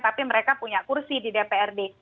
tapi mereka punya kursi di dprd